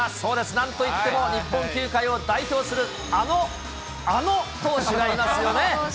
なんといっても日本球界を代表するあの、あの投手がいますよね。